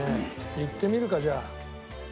いってみるかじゃあ。